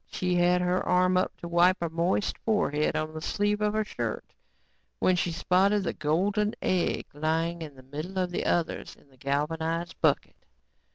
She had her arm up to wipe her moist forehead on the sleeve of her shirt when she spotted the golden egg lying in the middle of the others in the galvanized bucket.